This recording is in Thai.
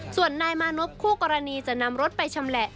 ส่วนนายมานพคู่กรณีจะนำรถไปชำแหละ